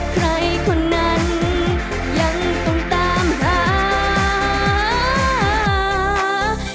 ใครคนนั้นค่วงให้ทิ้งยาว